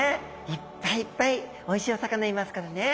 いっぱいいっぱいおいしいお魚いますからね。